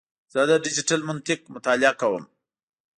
زه د ډیجیټل منطق مطالعه کوم.